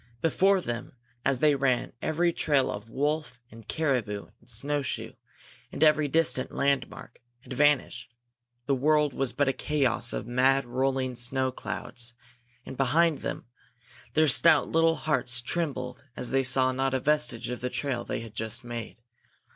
Before them as they ran every trail of wolf and caribou and snow shoe, and every distant landmark, had vanished; the world was but a chaos of mad rolling snow clouds; and behind them Their stout little hearts trembled as they saw not a vestige of the trail they had just made.